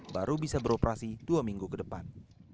baru bisa beroperasi dua minggu ke depan